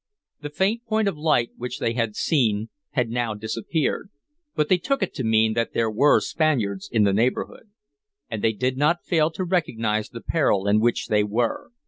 The faint point of light which they had seen had now disappeared: but they took it to mean that there were Spaniards in the neighborhood. And they did not fail to recognize the peril in which they were.